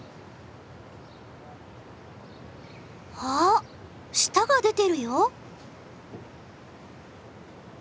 あっ舌が出てるよ。